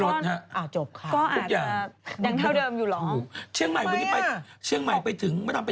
๒๕ถึง๒๗องศา